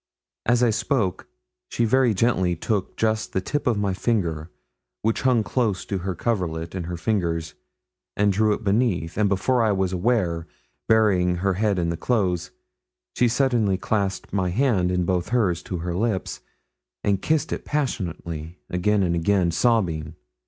As I spoke, she very gently took just the tip of my finger, which hung close to her coverlet, in her fingers, and drew it beneath, and before I was aware, burying her head in the clothes, she suddenly clasped my hand in both hers to her lips, and kissed it passionately, again and again, sobbing.